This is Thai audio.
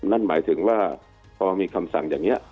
นั่นหมายถึงว่าพอมีคำสั่งอย่างนี้